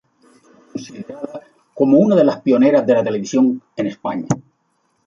Está considerada como una de las pioneras de la televisión en España.